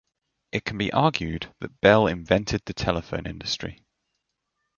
It can be argued that Bell invented the telephone industry.